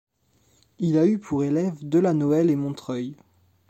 Il a eu pour élèves Delanoël et Montreuil.